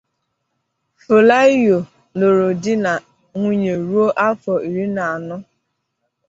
Folawiyo lụrụ di na nwunye ruo afọ iri na anọ.